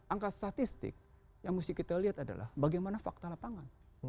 angka statistik yang mesti kita lihat adalah bagaimana fakta lapangan